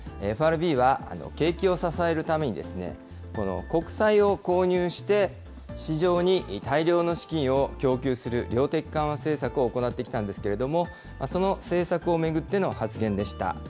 ＦＲＢは景気を支えるために、この国債を購入して、市場に大量の資金を供給する量的緩和政策を行ってきたんですけれども、その政策を巡っての発言でした。